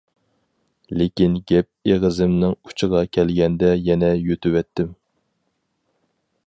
لېكىن گەپ ئېغىزىمنىڭ ئۇچىغا كەلگەندە يەنە يۇتۇۋەتتىم.